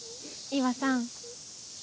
伊和さん。